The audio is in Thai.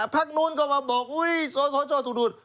พรรคโน้นเขามาบอกโอ้ยโซ่ถูกดูด